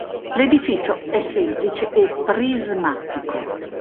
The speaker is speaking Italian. L'edificio è semplice e prismatico.